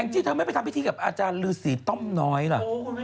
แองจิถ้าเธอไม่ไปทำพิธีกับอาจารย์ฤษีต้อมน้อยล่ะ